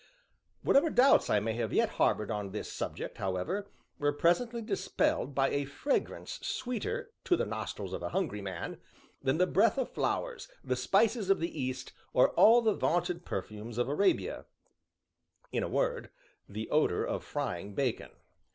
Whatever doubts I may have yet harbored on the subject, however, were presently dispelled by a fragrance sweeter, to the nostrils of a hungry man, than the breath of flowers, the spices of the East, or all the vaunted perfumes of Arabia in a word, the odor of frying bacon.